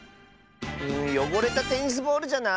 よごれたテニスボールじゃない？